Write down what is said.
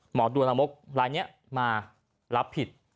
หมอดูละมกลายนี้มารับผิด